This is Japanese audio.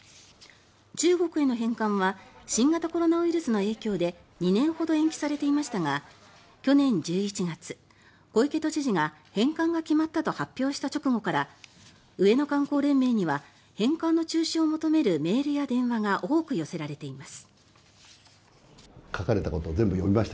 中国への返還は新型コロナウイルスの影響で２年ほど延期されていましたが去年１１月、小池都知事が返還が決まったと発表した直後から上野観光連盟には返還の中止を求めるメールや電話が多く寄せられています。